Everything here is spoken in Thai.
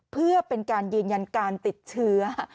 เพื่อเป็นการยืนยันการติดเชื้อ